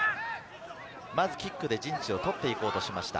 まずキックで陣地を取って行こうとしました。